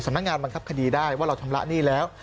นักงานบังคับคดีได้ว่าเราชำระหนี้แล้ว